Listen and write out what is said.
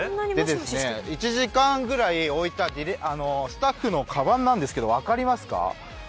１時間ほど置いたスタッフのかばんですが、分かりますか。